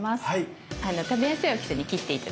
食べやすい大きさに切って頂ければ。